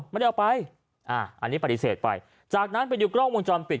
ไม่ได้เอาไปอ่าอันนี้ปฏิเสธไปจากนั้นไปดูกล้องวงจรปิด